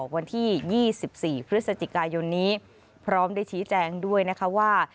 วันที่๒๔พฤศจิกายนนี้พร้อมได้ชี้แจงด้วยนะคะว่า